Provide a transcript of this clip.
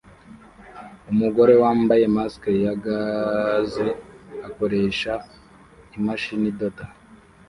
Umugore wambaye mask ya gaze akoresha imashini idoda